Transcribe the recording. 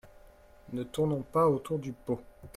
Ne tournons pas autour du pot.